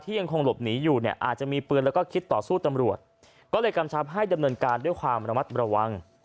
ยังคงหลบหนีอยู่เนี่ยอาจจะมีปืนแล้วก็คิดต่อสู้ตำรวจก็เลยกำชับให้ดำเนินการด้วยความระมัดระวัง